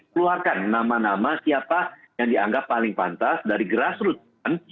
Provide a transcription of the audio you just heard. keluarkan nama nama siapa yang dianggap paling pantas dari grassroots